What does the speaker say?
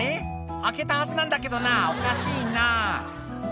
開けたはずなんだけどな、おかしいな。